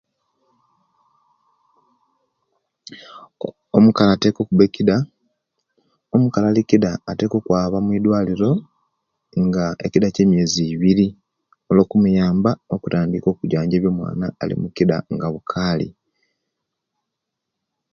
Omukali ateeka okuba ekida, omukali ali ekida ateeka okwaaba omwidwaliro nga ekida kye'myezi iibiri olwo'kumuyamba okutandiila okujanjabya omwaana ali mukida nga wukaali.